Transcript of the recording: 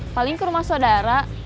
paling ke rumah sodara